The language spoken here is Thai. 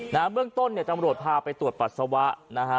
นะฮะเมื่องต้นเนี่ยจำโรจพาไปตรวจปศวะนะฮะ